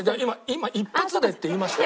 今「一発で」って言いましたよ